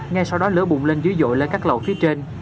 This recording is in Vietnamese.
ngay sau đó lửa bụng lên dưới dội lên các lầu phía trên